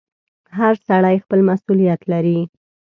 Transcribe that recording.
• هر سړی خپل مسؤلیت لري.